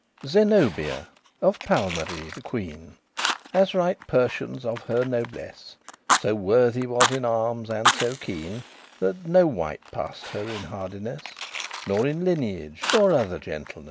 ZENOBIA, of Palmyrie the queen, <12> As write Persians of her nobless, So worthy was in armes, and so keen, That no wight passed her in hardiness, Nor in lineage, nor other gentleness.